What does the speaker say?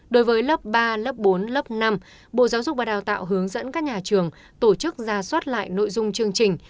đối với lớp ba lớp bốn lớp năm bộ giáo dục và đào tạo hướng dẫn các nhà trường tổ chức ra soát lại nội dung chương trình